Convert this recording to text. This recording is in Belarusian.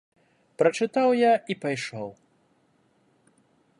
Прачытаў я і пайшоў.